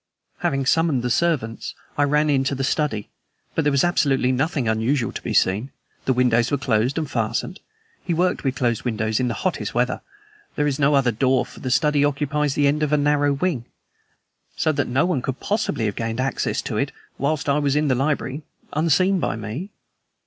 "Having summoned the servants, I ran into the study. But there was absolutely nothing unusual to be seen. The windows were closed and fastened. He worked with closed windows in the hottest weather. There is no other door, for the study occupies the end of a narrow wing, so that no one could possibly have gained access to it, whilst I was in the library, unseen by me.